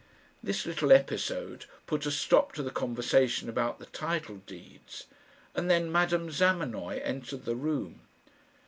This little episode put a stop to the conversation about the title deeds, and then Madame Zamenoy entered the room.